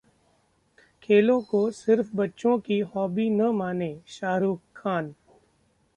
खेलों को सिर्फ बच्चों की हॉबी न मानें: शाहरुख खान